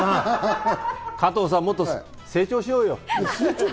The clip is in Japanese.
加藤さん、もっと成長しようよ。